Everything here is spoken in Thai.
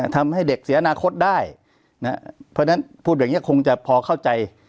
ทำให้เด็กเสียอนาคตได้เพราะฉะนั้นพูดแบบนี้คงจะพอเข้าใจ